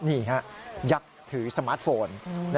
นี่ฮะยักษ์ถือสมาร์ทโฟน